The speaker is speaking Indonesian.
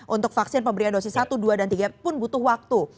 untuk vaksin pemberian dosis satu dua dan tiga pun butuh waktu